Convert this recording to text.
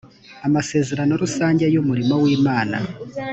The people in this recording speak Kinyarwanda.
amasezerano rusange y ‘umurimo w’imana.